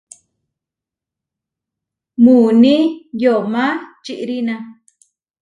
Muuní yomá čiʼrína.